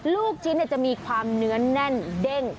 ลูกชิ้นจะมีความเนื้อแน่นเด้ง